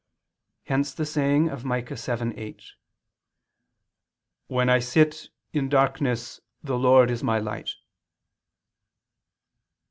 Hence the saying of Micah 7:8: "When I sit in darkness, the Lord is my light."